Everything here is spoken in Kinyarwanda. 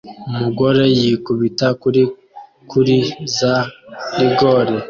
Umugore yikubita kuri kuri za rigore